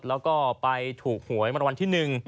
แล้วก็ไปถูกหวยมรวรรณที่๑